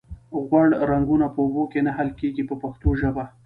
غوړ رنګونه په اوبو کې نه حل کیږي په پښتو ژبه.